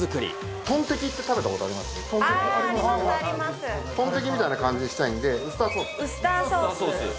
トンテキみたいな感じにしたいんで、ウスターソース。